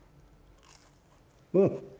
うん。